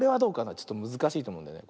ちょっとむずかしいとおもうんだよね。